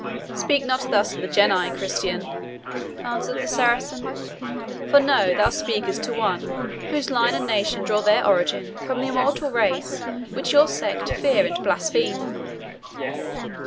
"Speak not thus of the Genii, Christian," answered the Saracen, "for know thou speakest to one whose line and nation drew their origin from the immortal race which your sect fear and blaspheme."